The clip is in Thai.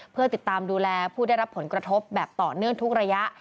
เพื่อติดตามดูแลผู้ได้รับผลกระทบแบบต่อเนื่องทุกระยะ